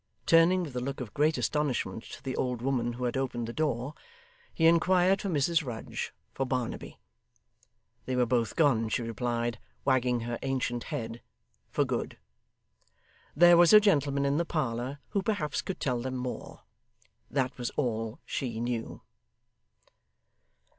Turning with a look of great astonishment to the old woman who had opened the door, he inquired for Mrs Rudge for Barnaby. They were both gone, she replied, wagging her ancient head, for good. There was a gentleman in the parlour, who perhaps could tell them more. That was all SHE knew.